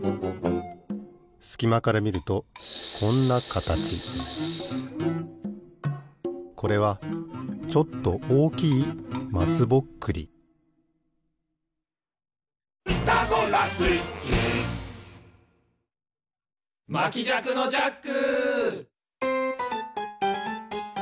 すきまからみるとこんなかたちこれはちょっとおおきいまつぼっくりおっまきじゃくのジャック。